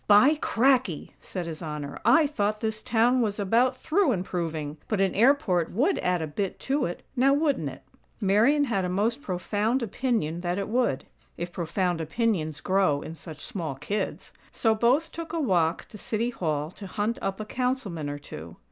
"By cracky!" said His Honor. "I thought this town was about through improving. But an airport would add a bit to it; now wouldn't it?" Marian had a most profound opinion that it would; (if profound opinions grow in such small kids!) so both took a walk to City Hall to hunt up a Councilman or two.